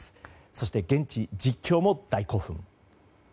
そして、現地実況も大興奮。